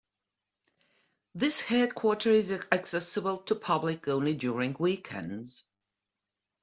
This headquarter is accessible to public only during weekends.